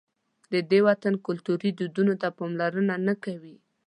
د دې وطن کلتوري دودونو ته پاملرنه نه کوي.